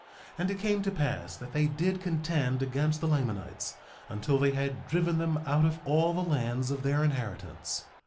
And it came to pass that they did contend against the Lamanites until they had driven them out of all the lands of their inheritance.